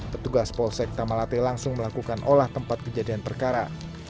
petugas polsek tamalate langsung melakukan olah tempat kejadian perkara